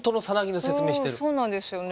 うんそうなんですよね。